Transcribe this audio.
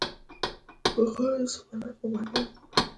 هغه د سومنات معبد مات کړ.